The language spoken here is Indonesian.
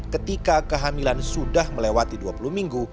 ketika kehamilan sudah melewati dua puluh minggu